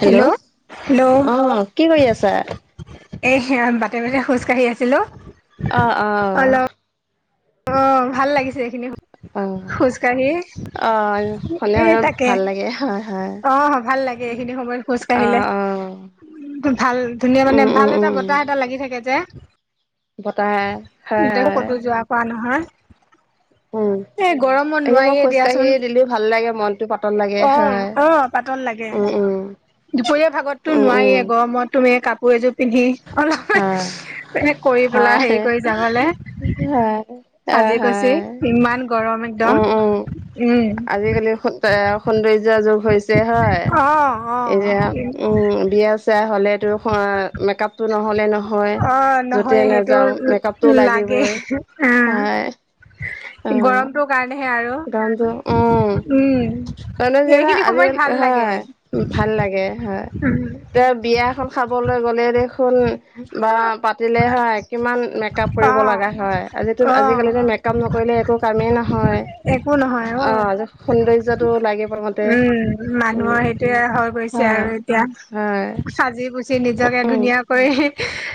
Hello hello অঁহ কি কৰি আছা। এ সেয়া বাটে বাটে খোজ কাঢ়ি আছিলো। অহ অহ। অহ ভাল লাগিছে এইখিনি অ খোজকাঢ়ি এ তাকে। তাকে হয় হয়। অহ ভাল লাগে এইখিনি সময়ত খোজ অ কাঢ়িলে। অ ভাল ধুনীয়া মানে উম ভাল উম এটা উম উম বতাহ এটা লাগি থাকে যে। বতাহ হয় [unintelligible] হয় ক'তো যোৱা কৰা নহয়। উম এ গৰমত এতিয়া মই নোৱাৰিয়েই খোজকাঢ়ি দিয়াচোন দিলেও ভাল লাগে মনটো পাতল লাগে অ হয় অ পাতল লাগে। উম উম দুপৰীয়া ভাগতো উম উম নোৱাৰিয়েই গৰমত তুমি কাপোৰ এযোৰ পিন্ধি, হয় অলপ কৰি পেলাই হেৰি হয় কৰি যাবলে। হয় অ সাজি কাচি হয় ইমান গৰম একদম উম উম উম আজিকালি স সৌন্দৰ্যৰ যুগ, হৈছে হয় অ', অ', এতিয়া উম বিয়া চিয়া হ'লেতো, হয় মেকাপটো নহ'লে নহয় অ', যতে নহয় সেইটো নাযাও মেকাআপটো লাগে লাগিবই। অ', হয় অ, গৰমটোৰ কাৰণেহে আৰু গানটো উম উম, সেইখিনি [unintelligible] আজি সময়ত ভাল লাগে হয় ভাল লাগে হয়। উম, এ বিয়া এখন খাবলৈ গ'লে দেখোন। বা পাতিলে হয় কিমান মেকাপ কৰিব অ', লগা হয় আজিতো অ', আজিকালিতো মেক কাপ নকৰিলে একো কামেই নহয়। একো নহয় অ সৌন্দৰ্যটো লাগে প্ৰথমতে উম মানুহৰ উম সেইটোৱে হৈ গৈছে হয় আৰু এতিয়া হয় সাজি পুচি নিজকে উম ধুনীয়া কৰি,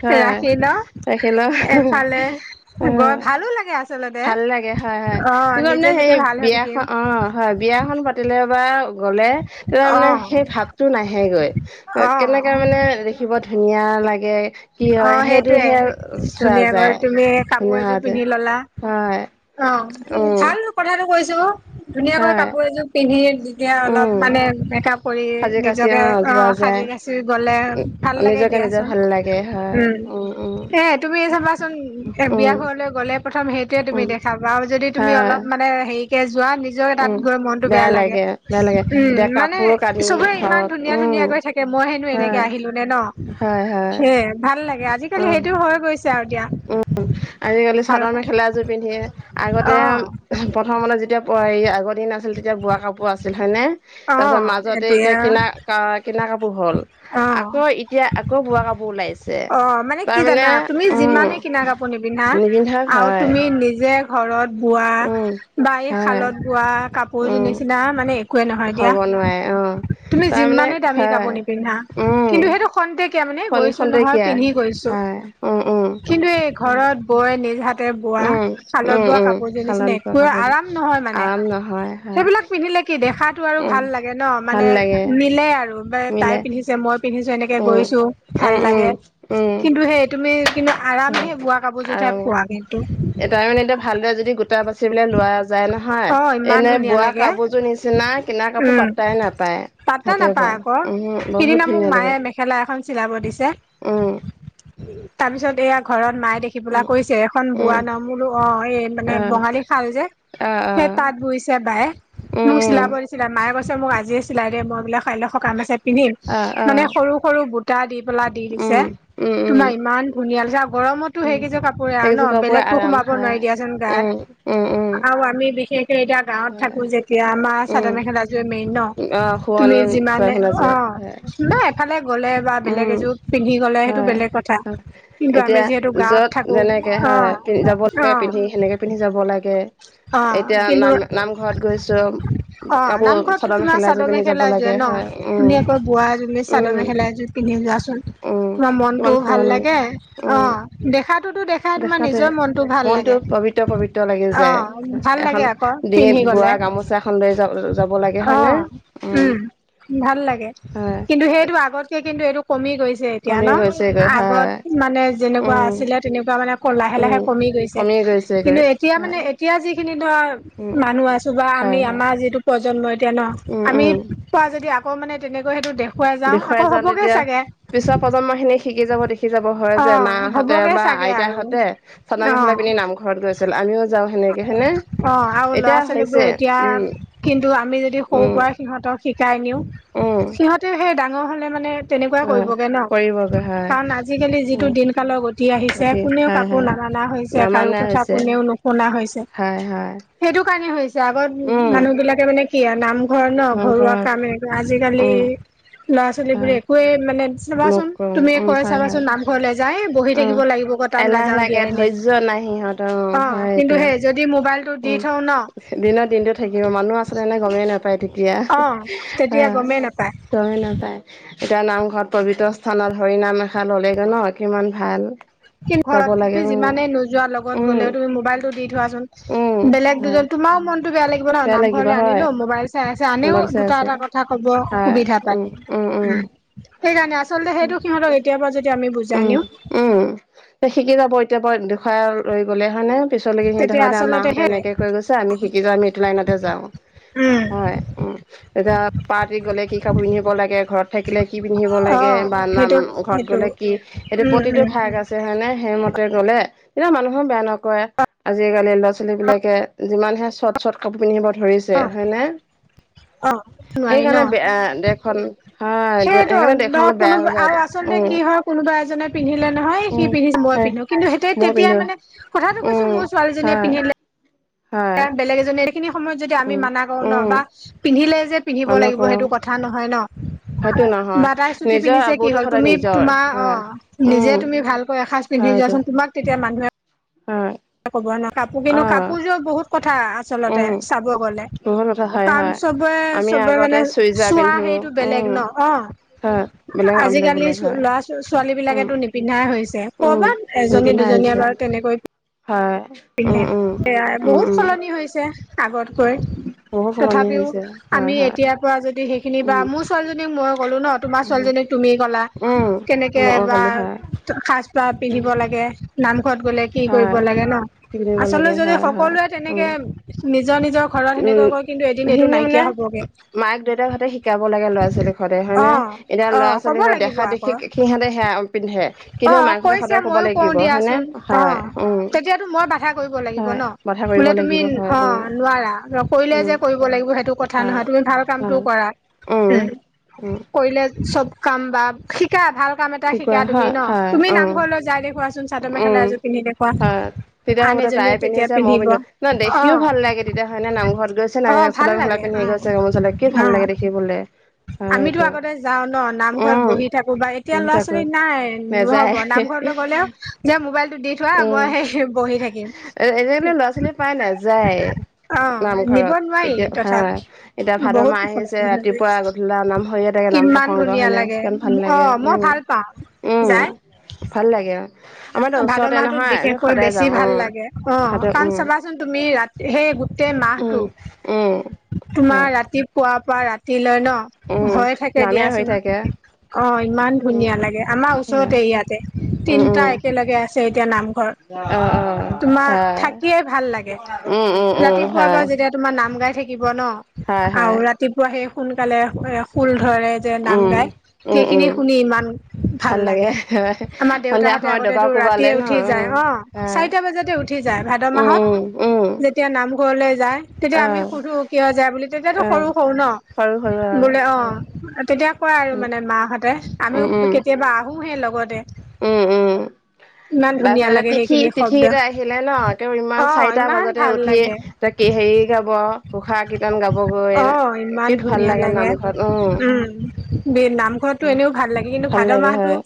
হয় ৰাখি ন অ‌ হেনকা এফালে অহ, গৈ ভালো লাগে আচলতে। ভাল লাগে হয় হয় অ', তোৰ কাৰণে নিজে সেই যেতিয়া ভাল হৈ থাকিম বিয়াখন অ, হয় বিয়াএখন পাতিলে বা গ'লে তাৰ মানে অ', সেই ভাৱ, টো নাহেগৈ কেনেকে অ', মানে দেখিব ধুনীয়া লাগে। কি অ হয় সেইটোয়ে সেইটোহে চোৱা ধুনীয়াকৈ যায় তুমি কাপোৰ ধুনীয়া এযোৰ হোৱাটো পিন্ধি ললা। হয় অ উম ভাল কথাটো কৈছো ধুনীয়াকৈ হয় কাপোৰ এযোৰ পিন্ধি। এতিয়া অলপ উম মানে মেকাপ, কৰি সাজি কাচি নিজকে অ যোৱা যায় সাজি কাচি গলে ভাল লাগে নিজকে নিজে দিয়াচোন। ভাল লাগে হয় উম উম এ তুমি চাবাচোন এ উম বিয়া ঘৰলৈ গ'লে প্ৰথম সেই তেতিয়া তুমি উম দেখাবা আৰু যদি তুমি হয় অলপ মানে হেৰিকে যোৱা। নিজৰ তাত উম গৈ মনটো বেয়া লাগে বেয়া লাগে উম এতিয়া মানে কাপোৰ কানি চবৰে ইমান হওক ধুনীয়া উম ধুনীয়াকৈ থাকে, মই হেনো এনেকে হয় আহিলোনে ন হয় হয় সেয়ে ভাল লাগে আজিকালি সেইটো হৈ গৈছে, যাও দিয়া। উম আজিকালি ভাল চাদৰ মেখেলা এযোৰ পিন্ধি আগতে অ আও, প্ৰথমতে যেতিয়া প আগৰ দিন আছি আছিল তেতিয়া বোৱা কাপোৰ আছিল হয়নে অ তাৰপাছত মাজতে এতিয়া কিনা কিনা কাপোৰ হ'ল অ আকৌ এতিয়া আকৌ বোৱা কাপোৰ ওলাইছে, অ মানে কি তাৰমানে জানা তুমি উম যিমানে কিনা কাপোৰ নিপিন্ধা নিপিন্ধাক আৰু হয় তুমি নিজে। ঘৰত বোৱা উম বা এই হয় শালত বোৱা কাপোৰ যোৰ উম নিচিনা মানে, একোৱে নহয় দিয়া হ'ব নোৱাৰে অ তুমি তাৰমানে যিমানেই দামী হয় কাপোৰ নিপিন্ধা কিন্তু উম সেইটো, খন্তেকীয়া মানে খন গৈছো নহয় খন্তেকীয়া পিন্ধি গৈছো হয় উম উম কিন্তু এই হয় ঘৰত, বৈ নিজ হাত, তে বোৱা উম শালত উম বোৱা উম কাপোৰ যোৰ নিচিনা শালত বোৱা একো কাপোৰযোৰ আৰাম নহয় মানে আৰাম নহয় হয় সেইবিলাক পিন্ধিলে। কি দেখাতো আৰু উম ভাল লাগে ন ভাল মানে লাগে মিলে আৰু ব তাই মিলে পিন্ধিছে মই পিন্ধিছো এনেকে উম গৈছো। ভাল উম উম লাগে উম কিন্তু সেই তুমি কিন্তু আৰাম সে বোৱা কাপোৰ যোৰত হে পোৱা কিন্তু। এ তাৰমানে এতিয়া ভালদৰে যদি গোটা বাচিবলৈ লোৱা যায় অ নহয় ইমান এনে ধুনীয়া বোৱা লাগে কাপোৰযোৰ নিচিন নাই কিনা কাপোৰ পাওাই নাপায়। পাত্তা হাতে বোৱা নাপায় আক উম বহুত সিদিনা মোক ধুনীয়া লাগে মায়ে মেখেলা এখন চিলাব দিছে উম। তাৰ পিছত এইয়া ঘৰত মায়ে দেখি খি পেলাই উম কৈছে এখন উম বোৱা নামলো অ এই মানে অ বঙালী শাল যে অ অ সেই- তাঁত বৈছে বায়ে, উম মোক উম চিলাব দিছিলে মায়ে কৈছে মোক আজিয়ে চিলাই দে মই বোলে কাইলে সকাম আছে - পিন্ধিম। অ অ মানে সৰু সৰু বুটা দি পেলাই দি দিছে উম উম উম তোমাৰ ইমান ধুনিয়া লাগিছে আৰু গৰমতো উম সেই কেইযোৰ কাপোৰে আৰু সেইকেইযোৰ ন কাপোৰ বেলেগতো আৰাম সোমাব নোৱাৰি হয় দিয়াচোন উম গাত। উম উম। আৰু আমি বিশেষকে এতিয়া গাঁৱত থাকো যেতিয়া আমাৰ চাদৰ উম মেখেলাযোৰে মেইন ন। অ তুমি শুৱনি যিমানে অ জয় নাই এফালে গ'লে বা বেলেগ উম এযোৰ পিন্ধি গলে সেইটো হয় বেলেগ কথা কিন্তু আমি এতিয়া যিহেতু গাঁৱত য'ত থাকো যেনেকে অ হয় যাব অ লাগে পিন্ধি সেনেকে পিন্ধি যাব লাগে। অ এতিয়া কিন্তু নাম নামঘৰত গৈছো অ কাপোৰ নামঘৰতো তোমাৰ মেখেলা এযোৰ চাদৰ পিন্ধি যাব মেখেলা যোৰে লাগে ন হয় উম ধুনীয়াকৈ বোৱা যোনে চাদৰ উম মেখেলা এযোৰ পিন্ধি যোৱাচোন, উম তোমাৰ কিমান মনটোও ভাল শুৱনি লাগে উম অ দেখাতোটো দে- খাই তোমাৰ নিজৰ মনটো ভাল লাগে। পৱিত্ৰ পৱিত্ৰ লাগি অ যায় ভাল এখন লাগে আকৌ পিন্ধি ডিঙিত বোৱা গলে গামোচা এখন লৈ যাব যাব লাগে হয় নে অ', - উম ভাল লাগে কিন্তু সেইটো আগতকে কিন্তু এইটো কমি গৈছে। ছে এতিয়া কমি ন, গৈছেগৈ আগত হয় মানে যেনেকুৱা উম আছিলে তেনেকুৱা মানে লাহে উম লাহে কমি গৈছে। কমি গৈছে। কিন্তু এতিয়া মানে এতিয়া যিখিনি ধৰা উম মানুহ আছো বা হয় আমি হয় আমাৰ যিটো প্ৰজন্ম এতিয়া ন, উম আমি উম পোৱা যদি আকৌ তেনেকৈ সেইটো দে- দেখুৱাই যাওঁ তেতিয়া পিছৰ প্ৰজন্ম খিনি শিকি যাব দেখি যাব হয় যে অ', মাহাহঁতে হ'বগে বা চাগে আইতা আৰু হঁতে, চাদৰ মেখেলা অ', পিন্ধি নামঘৰত গৈছিল আমিও যাওঁ সেনেকে হয়নে! অ আৰু ল'ৰা এতিয়া হৈছে ছোৱালীবোৰে এতিয়া উম কিন্তু আমি যদি সৰু উম পৰা সিহঁতক শিকাই নিওঁ উম সিহঁতেও সেই ডাঙৰ হলে মানে তেনেকুৱা হয় কৰিবগে ন কৰিবগৈ হয় কাৰণ আজিকালি যিটো উম দিন কালৰ গতি আহিছে কোনেও খাই খাই কাকো নামানা হৈছে কাৰো কথা কোনেও নুশুনা হৈ- হয় হয়। সেইটো কাৰণে হৈছে, আগত মানুহ বিলাকে মানে কিয়া নামঘৰ ন ঘৰুৱা নামঘৰত কাময়ে আজিকালি উম ল'ৰা ছোৱালী বোৰে হয় একোৱে মানে মোক চোন, কম তুমিয়ে উম কৈ হয় হয় চাবাচোন নামঘৰলে যায় বহি উম থাকিব লাগিব ক তাত নাযাও দিয়াই এনেই অ হয় কিন্তু এইটো সেই যদি মোবাইলটো দি উম থওঁ ন দিনৰ দিনটো থাকিব মানুহ আছে নে নাই গমেই নাপায় তেতিয়া অ তেতিয়া হয় গমেই হয় নাপায় তয়ে নাপায় এতিয়া নামঘৰত পবিত্ৰ স্থানত হৰি নাম এষাৰ ললেগে ন কিমান ভাল কিন্ত যাব ঘৰত তুমি লাগে উম যিমানে নোযোৱা লগত উম গ'লেও তুমি মোবাইলটো দি উম থোৱাচোন বেলেগ হয় দুজন তোমাৰো মনটো বেয়া লাগে লাগিব ন, নামঘৰলে আনিলো মোবাইল চাই আছে আনেও মোবাইল চাই দুটা আছে এটা কথা কব হয় সুবিধা পাই। উম উম উম সেইকাৰণে আচলতে সেইটো সিহঁতক এতিয়া পৰা যদি আমি বুজাই উম নিওঁ উম, শিকি যাব এতিয়া পৰা দেখুৱাই লৈ গ'লে হয়নে পিছলৈকে তেতিয়া সিহঁতে আচলতে মাহঁতে হে এনেকে কৈ গৈছে আমি শিকি যাওঁ আমি এইটো লাইনতে যাওঁ উম হয় উম, এতিয়া পাৰ্টিত গ'লে কি কাপোৰ পিন্ধিব লাগে ঘৰত থাকিলে কি পিন্ধিব অ লাগে বা নাম সেইটো ঘৰত, সেইটো গলে কি এইটো উম প্ৰতিটো উম ভাগ আছে হয় নে সেইমতে গলে তেতিয়া মানুহো বেয়া নকই, আজিকালি ল'ৰা ছোৱালী বিলাকে যিমানহে শৰ্ট চৰ্ট কাপোৰ পিন্ধিব ধৰিছে, অ হয় নে অ নোৱাৰি সেইকাৰণে ন বেয়া দেশখন, হয় সেইটো সেইকাৰণে দেশখন ধৰক অলপ বেয়া হৈ কোনোবা যায় আৰু আচলতে উম কি হয় কোনোবা এজনে পিন্ধিলে নহয় উম সি পিন্ধিছে মই হয় পিন্ধো। কিন্তু সেই মই তেতিয়া পিন্ধো মানে কথাটো উম কৈছো মোৰ ছোৱালীজনীয়ে হয় পিন্ধিলে, হয় বেলেগ এজনে এইখিনি সময়ত যদি আমি উম মানা কৰো ন উম বা পিন্ধিলে যে পিন্ধিব মানুহ ক লাগিব সেইটো কথা নহয় ন, [inaudible] ব তাই চুটি নিজৰ পিন্ধিছে কি আবুতো হ'ল সদায় তুমি নিজৰ তোমাৰ অ হয় উম নিজে তুমি ভালকৈ ৰাখা চো, পিন্ধ হয়টো যোৱাচোনু তোমাক তেতিয়া মানুহে, হয়। ক'ব নহয় কাপোৰ অ কিন্তু কাপোৰযোৰ বহুত কথা, আচলতে উম চাব গলে বহুত কথা হয় কাৰণ হয় চবে আমি চবে আগতে মানে চুইজাৰ চোৱা পিন্ধো হেইটো বেলেগ উম ন, হয় অ বেলেগ বেলেগ আজিকালি বেলেগ হয় ল'ৰা ছোৱালী উম বিলাকেতো নিপি পিন্ধাই হৈছে উম কবাত এজনী নিপিন্ধা দুজনীয়ে হৈছে বাৰু তেনেকৈ, হয় উম পিন্ধে উম হেয়াই উম বহুত উম সলনি হৈছে, আগতকৈ বহুত সলনি তথাপিও হৈছে হয় আমি হয় এতিয়া, পৰা যদি সেইখিনি বা উম মোৰ ছোৱালীক মই ক'লো ন তোমাৰ উম ছোৱালীক তুমি কলা। উম কেনেকে মই বা ক'লো হয় সাজ পাৰ উম পিন্ধিব লাগে নামঘৰত গ'লে, কি কৰিব হয় লাগে ন কি বুলি ক'ব আচলতে লাগে যদি হয় হয় সকলোৱে উম তেনেকে নিজৰ নিজৰ, ঘৰত উম সেনেকৈ কয় কিন্তু এদিন এইটো সেইখিনি মানে নাইকিয়া হবগে, মাক দেউতাকহঁতে শিকাব লাগে ল'ৰা ছোৱালীক সদায় অ হয়নে এতিয়া অ ল'ৰা কব ছোৱালী লাগিব দেখা আকৌ দেখি সিহঁতে সেয়া পিন্ধে অ কিন্তু মাকহঁতে কৈছা সদায় ক'ব মইউ কওঁ লাগিব হয়নে দিয়াচোন। অ হয় উম তেতিয়াতো মই বাধা কৰিব লাগিব হয় ন বাধা কৰিব বোলে তুমি লাগিব হয় অ উম নোৱাৰা নক, উম কৰিব লাগিব সেইটো কথা হয় নহয় তুমি ভাল কামটো হয় কৰা। উ উম উম কৰিলে চব কাম বা শিকা ভাল কাম এ ত শিকোৱা শিকা তুমি হয় ন হয় তুমি উম নামঘৰলৈ যাই দেখুৱাচোন চাদৰ মেখেলা উম এযোৰ পিন্ধি হয় দেখুওৱা, তেতিয়া হ'বতে তাইে পিন্ধিছে মই পিন্ধ নয় অ দেখিও ভাল লাগে তেতিয়া হয় নামঘৰত গৈছে অ নাই, ভাল চাদৰ মেখেলা লাগে অ পিন্ধি গৈছে গামোচা লৈ কি অ ভাল লাগে দেখিবলে। হয় আমিতো সেইটো আগতে যাও ন নামঘৰত উম বহি থাকো বা এতিয়া বহি ল'ৰা থাকো ছোৱালী নাই নহব নেযায় নামঘৰত, ক'লেও যে মোবাইলতটো দি থোৱা উম মই সেই, বহি থাকিম আজিকালি ল'ৰা ছোৱালী প্ৰায় নেযায় অ নিব নামঘৰত নোৱাৰি এতিয়া হা তথাপি, এতিয়া ভাদ বহুত মাহ আহিছে ৰাতিপুৱা গধূলা নাম হৈয়ে থাকে নাম কিমান প্ৰসংগ ধুনীয়া হয়নে লাগে, কিমান ভাল অ লাগে মই উম ভাল, পাও উম যায়, ভাল লাগে, আমাৰ টো উছ ভাদ মাহটোত বিশেষকৈ বেছি ভাল লাগে অ ভাদ কাৰণ উম চাবাচোন তুমি ৰাতি সেই গোটেই উম মাহটো, উম তোমাৰ হয় ৰাতিপুৱা পৰা ৰাতিলৈয় ন উম হৈয়ে থাকে নামেই হৈ দিয়াচোন। থাকে অ ইমান উম ধুনীয়া লাগে আমাৰ সেয়া। ওচৰতে ইয়াতে উম তিনটা উম একেলগে আছে এতিয়া নাম, অ অ তোমাৰ হয় থাকিয়ে ভাল লাগে উম উম উম ৰাতিপুৱা পৰা হয় যেতিয়া, তোমাৰ নাম গাই থাকিব ন হয় আৰু হয় ৰাতিপুৱা সেই সোনকালে ফুল ধৰে যে নাম উম গায়, উম সেইখিনি উম শুনি ইমান ভাল লাগে হয় আমাৰ দেউতা সন্ধিয়া হত, তে সময়ত দবা আগতেতো কোবালে ৰাতিয়ে ন উঠি যায় উম হ, হয় চাৰিটা বজাতে উঠি যায় ভাদ উম মাহত। উম উম তেতিয়া নামঘৰলৈ যায় তেতিয়া অ আমি সুধো কিয় যায় বুলি তেতিয়াতো অ সৰু সৰু ন। সৰু সৰু অ বোলে অঁ তেতিয়া কয় আৰু মানে মাহঁতে উম উম আমিও উম কেতিয়াবা পোহে লগতে। উম উম ইমান তাৰপিছত ধুনীয়া এতিয়া লাগে তিথি সেইখিনি তিথি শব্দ কেইটা আহিলে ন তেওঁ ইমান অ চাৰিটা ইমান বজাতে ভাল উঠি লাগে ত কি হেৰি গাব ঘোষা কীৰ্তন গাবগৈ অ ইমান কিত ভাল লাগে নামঘৰত উম। বে নামঘৰতো এনেও ভাল লাগে, কিন্তু ভাল ভাদ লাগে মাহটো হয়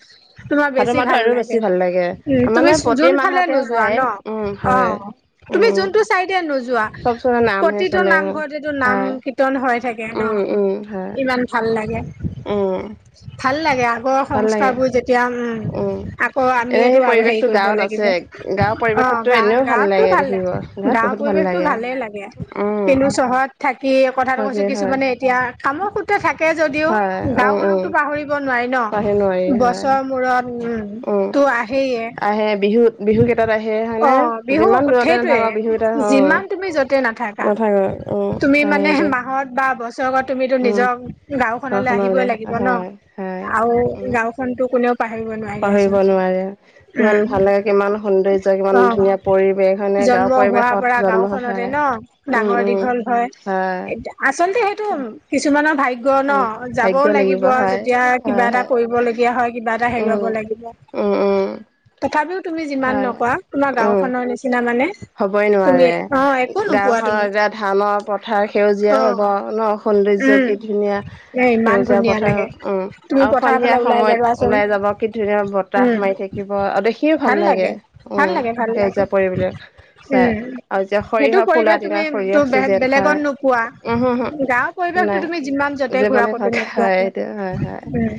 তোমাৰ ভাদ বেছি মাহটো ভাল আৰু লাগে। বেছি ভাল লাগে উম মানে তুমি প্ৰতি যোন ফালে মাহতে নোযোৱা গায় ন, উম অ হয় তুমি উম যোনটো চাইতে নোযোৱা চব চবে নামহে প্ৰতিটো চলে নামঘৰতেটো নাম হয় কীৰ্তন হৈ থাকে ন উম উম হয় ইমান ভাল লাগে। উম। ভাল লাগে আগৰ ভাল লাগে সংস্কাৰবোৰ যেতিয়া উম। উম। আকৌ এনে আমিয়েতো সেই হেৰি পৰিৱেশতো কৰিব গাঁৱত লাগিব। আছে, গাঁৱৰ অ', পৰিৱেশতো এনেও ভাল গা-গাঁৱতটো লাগে ভালে, দেখিব। গাঁৱত গাঁৱৰ বহুত ভাল পৰিৱেশটো লাগে ভালেই লাগে, উম কিন্তু চহৰত থাকি কথাটো তাকে কৈছো হয় কিছুমানে এতিয়া কামৰ সূত্ৰে থাকে যদিও হয় উম উম গাঁওখনকতো পাহৰিব নোৱাৰি ন। পাহে নোৱাৰি হয় বছৰ মূৰত উম উম তো আহেইয়ে আহে বিহুত বিহু কেইটাত আহে অ হয়নে বিহু যিমান দূৰতে সেইটোৱে নাথাকক বিহু কেইটা অ যিমান তুমি য'তে নাথাকা নাথাকক উম তুমি হয় মানে দে মাহত বা বছৰেকত তুমিতো উম নিজক গাঁওখনলে আহিবই ঘৰখনলে লাগিব ন, হয় হয় আৰু উম গাঁওখনতো কোনেও পাহৰিব নোৱাৰে পাহৰিব দিয়াচোন। নোৱাৰে। কিমান উম ভাল লাগে কিমান সৌন্দৰ্য কিমান অঁ ধুনীয়া পৰিৱেশ হয়নে গাঁৱৰ জন্ম হোৱাৰ পৰিৱেশত পৰা জন্ম গাওখনতে হয় ন। উম ডাঙৰ উম দীঘল হয় এ আচলতে সেইটো কিছুমানৰ ভাগ্ ভাগ্য ন উম যাবও ভাগ্য লাগিব হয় যেতিয়া কিবা হয় এটা হয় কৰিবলগীয়া হয় কিবা এটা উম হেৰুৱাব লাগিব। উম উম তথাপিও তুমি যিমান হয় নকোৱা তোমাৰ উম গাঁওখনৰ নিচিনা মানে হবই তুমি নোৱাৰে অ একো নোপোৱা গাওখনৰ তুমি এতিয়া ধানৰ পথাৰ সেউজীয়া হব অ', ন। সন্দৈৰ্য উম, কি ধুনীয়া! এ ইমান সেউজীয়া ধুনীয়া পথাৰ লাগে। উম, তুমি আৰু পথাৰৰ ফালে সন্ধিয়া ওলাই সময়ত যাবাচোন, ওলাই যাব কি ধুনীয়া বত উম, তাহ মাৰি থাকিব আৰু দেখিও ভাল লাগে ভাল উম লাগে, ভাল লাগে, সেউজীয়া কৰিবলে। চাই উম, আৰু যেতিয়া সেইটো সৰিয়হৰ ফুলা পৰিৱেশ দিনা তুমি তো সৰিয়হটো যে বেলেগত নোপোৱা। খায় উহু গাঁৱৰ উহু। পৰিৱেশটো তুমি যিমান নাই য'তে যে ঘূৰা মানে ক'তো কথা নোপোৱা, হয় সেইটো হয় হয় উম।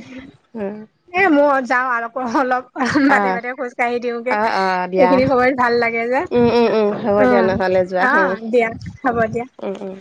উম। এ মই যাওঁ আৰক অলপ। অ বাটে আহ বাটে খোজ কাঢ়ি দিওগে অ অ দিয়া এইখিনি সময়ত ভাল লাগে যে উম উম উম হ'ব দিয়া অঁ। নহ'লে যোৱা উম অঁ দিয়া হ'ব দিয়া। উম উম।